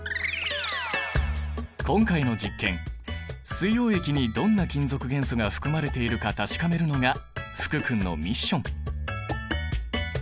今回の実験水溶液にどんな金属元素が含まれているか確かめるのが福君のミッション！